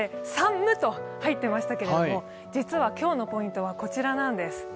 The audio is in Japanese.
むと入ってましたが実は今日のポイントはこちらなんです。